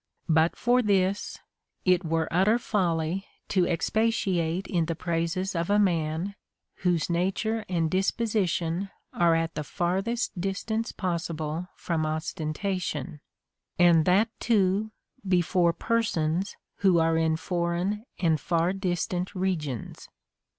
But for this,^ it were utter folly to expatiate in the praises of a man, whose nature and disposition are at the farthest distance possible from ostentation, and that, too, before persons who are in foreign and far distant regions.